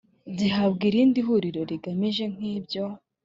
Gihabwa irindi huriro rigamije nk ibyo